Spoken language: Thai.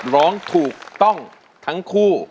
ร้องถูกต้องทั้งคู่